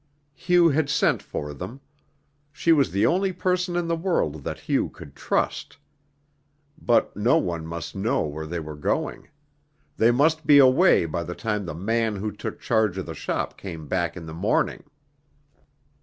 Hugh had sent for them. She was the only person in the world that Hugh could trust. But no one must know where they were going. They must be away by the time the man who took charge of the shop came back in the morning.